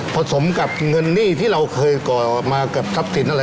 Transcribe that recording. สมกับเงินหนี้ที่เราเคยก่อมากับทรัพย์สินอะไร